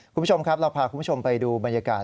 คุณผู้ชมครับเราพาคุณผู้ชมไปดูบรรยากาศ